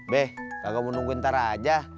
beh kagak mau nungguin ntar aja